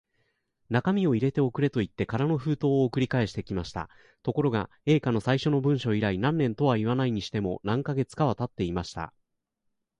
中身を入れて送れ、といって空の封筒を送り返してきました。ところが、Ａ 課の最初の文書以来、何年とはいわないにしても、何カ月かはたっていました。